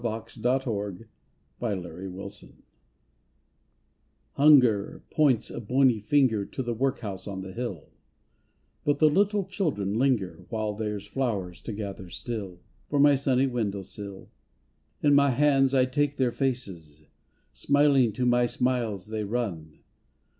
238 THE LITTLE CHILDREN Hunger points a bony finger To the workhouse on the hill, But the little children linger While there's flowers to gather still For my sunny window sill. In my hands I take their faces, Smiling to my smiles they run.